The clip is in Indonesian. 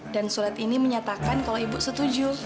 dan surat ini menyatakan kalau ibu setuju